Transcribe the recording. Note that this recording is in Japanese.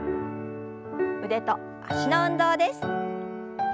腕と脚の運動です。